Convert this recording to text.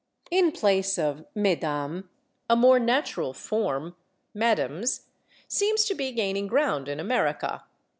In place of /Mesdames/ a more natural form, /Madames/, seems to be gaining ground in America.